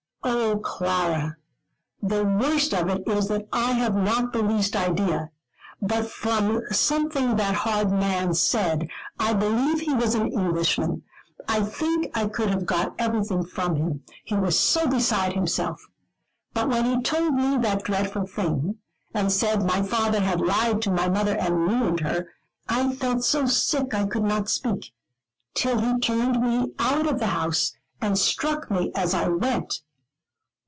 "Oh, Clara, the worst of it is that I have not the least idea. But from something that hard man said, I believe he was an Englishman. I think I could have got everything from him, he was so beside himself; but when he told me that dreadful thing, and said that my father had lied to my mother and ruined her, I felt so sick that I could not speak, till he turned me out of the house, and struck me as I went."